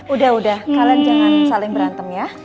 udah udah kalian jangan saling berantem ya